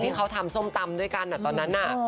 ที่เขาทำส้มตำด้วยกันตอนนั้นน่ะ